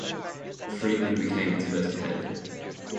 Friedman became its first head.